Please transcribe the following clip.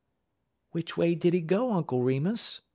"Which way did he go, Uncle Remus?"